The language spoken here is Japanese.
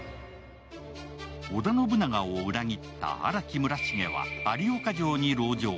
織田信長を裏切った荒木村重は有岡城に籠城。